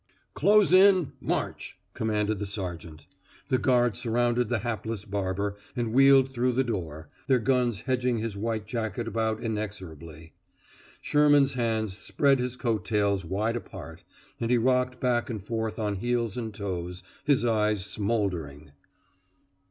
"Close in! March!" commanded the sergeant. The guard surrounded the hapless barber and wheeled through the door, their guns hedging his white jacket about inexorably. Sherman's hands spread his coat tails wide apart, and he rocked back and forth on heels and toes, his eyes smoldering.